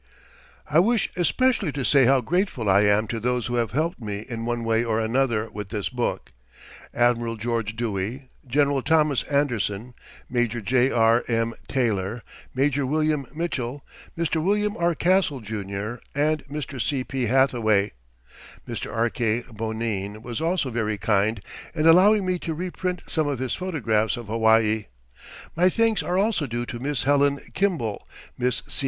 I wish especially to say how grateful I am to those who have helped me in one way or another, with this book: Admiral George Dewey, General Thomas Anderson, Major J. R. M. Taylor, Major William Mitchell, Mr. William R. Castle, Jr., and Mr. C. P. Hatheway. Mr. R. K. Bonine was also very kind in allowing me to reprint some of his photographs of Hawaii. My thanks are also due to Miss Helen Kimball, Miss C.